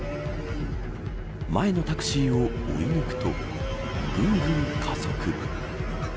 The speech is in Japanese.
前のタクシーを追い抜くとぐんぐん加速。